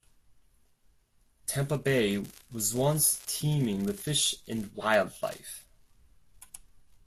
Tampa Bay was once teeming with fish and wildlife.